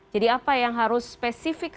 jadi apa yang harus spesifik